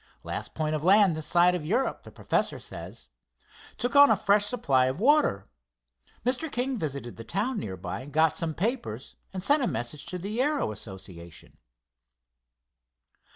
Last point of land this side of Europe, the professor says. Took on a fresh supply of water. Mr. King visited the town nearby and got some papers, and sent a message to the aero association."